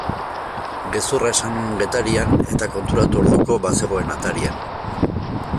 Gezurra esan nuen Getarian eta konturatu orduko bazegoen atarian.